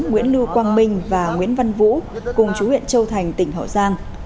nguyễn lưu quang minh và nguyễn văn vũ cùng chú huyện châu thành tỉnh hậu giang